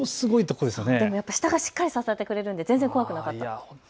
でも下がやっぱり支えてくれるので全然怖くなかったです。